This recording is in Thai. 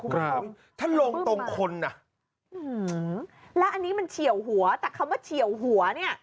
ถ้าลงตรงคนแล้วด้านขวาหน้ามันเฉียวหัว